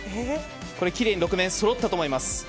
きれいに６面そろったと思います。